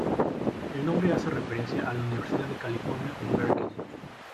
El nombre hace referencia a la Universidad de California en Berkeley.